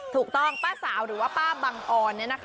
ถูกต้องป้าสาวหรือว่าป้าบังออนเนี่ยนะคะ